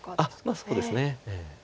まあそうですね。